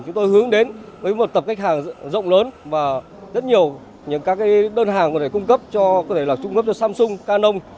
chúng tôi hướng đến với một tập khách hàng rộng lớn và rất nhiều những đơn hàng có thể cung cấp cho samsung canon